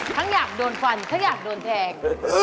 อยากโดนฟันทั้งอยากโดนแทง